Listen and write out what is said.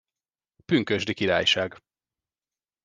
Pünkösdi királyság.